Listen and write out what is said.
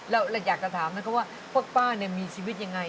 แล้วอยากจะถามนะครับว่าพวกป้ามีชีวิตอย่างไร